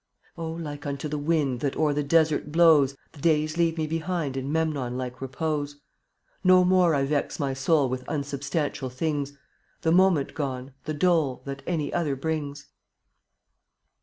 Oh, like unto the wind That o'er the desert blows, The days leave me behind In Memnon like repose. No more I vex my soul With unsubstantial things, The moment gone, the dole That any other brings.